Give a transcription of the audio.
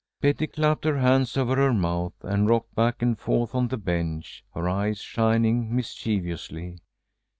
Betty clapped her hands over her mouth, and rocked back and forth on the bench, her eyes shining mischievously.